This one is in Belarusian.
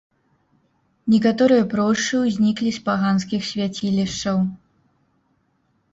Некаторыя прошчы ўзніклі з паганскіх свяцілішчаў.